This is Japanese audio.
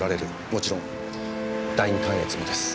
もちろん第二関越もです。